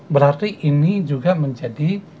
berarti ini juga menjadi